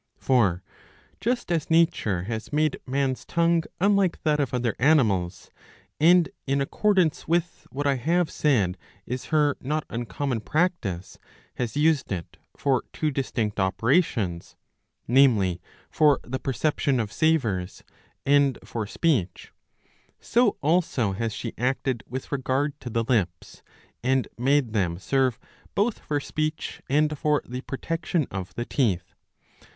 For just as nature has made man's tongue unlike 650 b. ii. i6— ii. 17 53 that of other animals, and, in accordance with what I have said is her not uncommon practice,^^ has used it for two distinct operations, namely for the perception of savours and for speech, so also has she acted with regard to the lips, and made them serve both for speech and for the protection of the teeth.